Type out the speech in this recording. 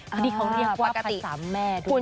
พร้อมว่าพระสามแม่ด้วย